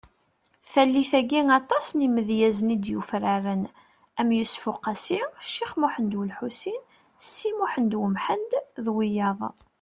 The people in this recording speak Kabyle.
Tallit-agi, aṭas n yimedyazen i d-yufraren am Yusef Uqasi , Cix Muhend Ulḥusin Si Muḥend Umḥend d wiyaḍ .